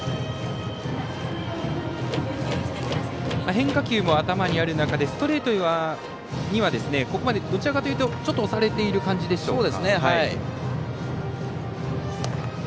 変化球も頭にある中でストレートにはここまでどちらかというとちょっと押されている感じでしょうか。